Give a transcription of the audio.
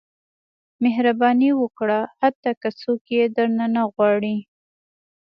• مهرباني وکړه، حتی که څوک یې درنه نه غواړي.